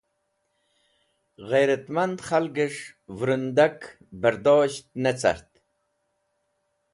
Ghairatmand Khalges̃h Vurundak Bardosht ne cart